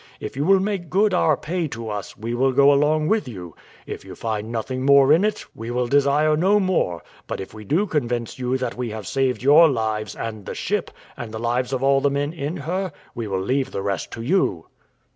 If you will make good our pay to us we will go along with you; if you find nothing more in it we will desire no more; but if we do convince you that we have saved your lives, and the ship, and the lives of all the men in her, we will leave the rest to you."